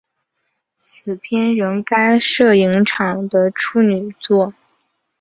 此片乃该摄影场的处女作。